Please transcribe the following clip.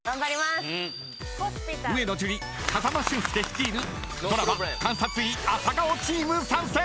上野樹里、風間俊介率いるドラマ「監察医朝顔」チーム参戦！